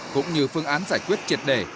cũng như phương án giải quyết triệt đề